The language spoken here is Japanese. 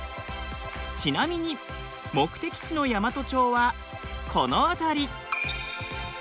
ちなみに目的地の大和町はこの辺り。